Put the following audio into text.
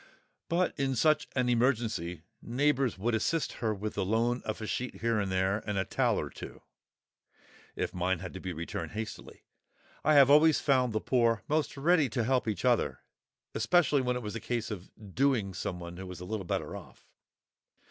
But in such an emergency neighbours would assist her with the loan of a sheet here and there and a towel or two, if mine had to be returned hastily. I have always found the poor most ready to help each other—especially when it was a case of "doing" someone who was a little better off.